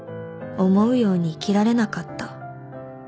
思うように生きられなかった」